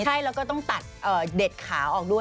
ใช่แล้วก็ต้องตัดเด็ดขาออกด้วย